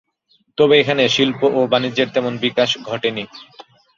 তবে এখানে শিল্প ও বাণিজ্যের তেমন বিকাশ ঘটেনি।